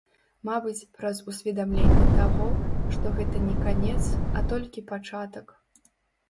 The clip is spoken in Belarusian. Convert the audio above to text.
Мабыць, праз усведамленне таго, што гэта не канец, а толькі пачатак.